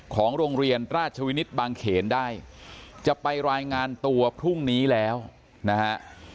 ของโรงเรียนราชวินิตบางเขนได้จะไปรายงานตัวพรุ่งนี้แล้วนะฮะ